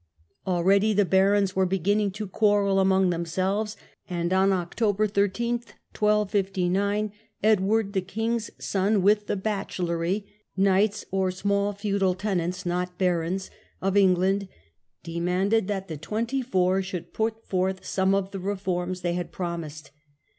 Already the barons were beginning to quarrel among themselves, and on October 13, 1259, Edward, the king's son, with the bachdery (knights, or small feudal •ions^ " tenants, not barons) of England, demanded Westminster, that the twenty four should put forth some of the reforms they had promised.